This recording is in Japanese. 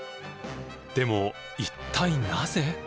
でも一体なぜ？